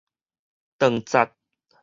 斷節